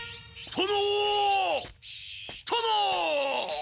殿？